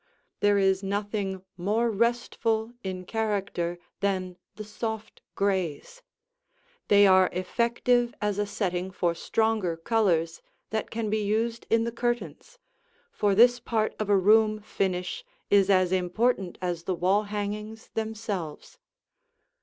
There is nothing more restful in character than the soft grays; they are effective as a setting for stronger colors that can be used in the curtains, for this part of a room finish is as important as the wall hangings themselves.